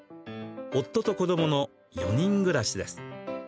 夫と子どもの４人暮らしです。